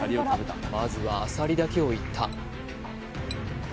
まずはあさりだけをいった